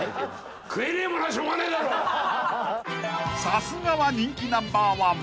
［さすがは人気ナンバーワン］